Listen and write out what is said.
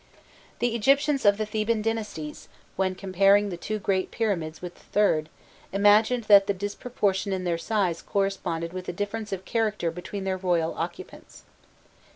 The Egyptians of the Theban dynasties, when comparing the two great pyramids with the third, imagined that the disproportion in their size corresponded with a difference of character between their royal occupants.